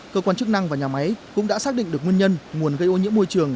cơ quan chức năng và nhà máy cũng đã xác định được nguyên nhân nguồn gây ô nhiễm môi trường